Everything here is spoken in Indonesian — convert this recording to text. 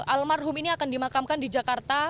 almarhum ini akan dimakamkan di jakarta